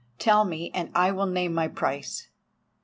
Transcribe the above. —tell me, and I will name my price.